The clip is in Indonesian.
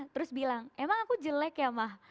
terus bilang emang aku jelek ya mah